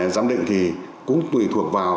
giám định thì cũng tùy thuộc vào